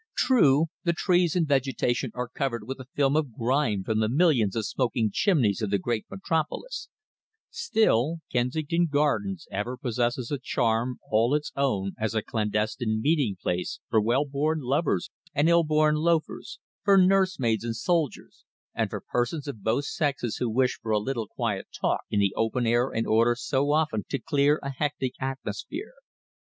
True, the trees and vegetation are covered with a film of grime from the millions of smoking chimneys of the giant metropolis, still Kensington Gardens ever possesses a charm all its own as a clandestine meeting place for well born lovers and ill born loafers, for nursemaids and soldiers, and for persons of both sexes who wish for a little quiet talk in the open air in order so often to clear a hectic atmosphere.